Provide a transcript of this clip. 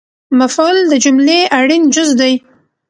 مفعول د جملې اړین جز دئ